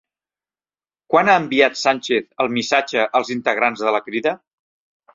Quan ha enviat Sánchez el missatge als integrants de la Crida?